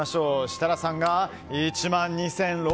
設楽さんが１万２６００円。